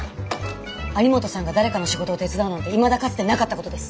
有本さんが誰かの仕事を手伝うなんていまだかつてなかったことです。